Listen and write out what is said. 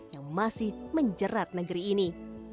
yang masih menjerat negeri ini